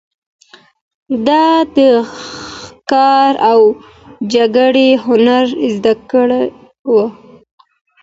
ده د ښکار او جګړې هنر زده کړی و